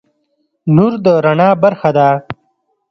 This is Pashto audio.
نور د رڼا برخه ده.